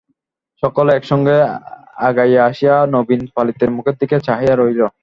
সকলে একসঙ্গে আগাইয়া আসিয়া নবীন পালিতের মুখের দিকে চাহিয়া রহিল।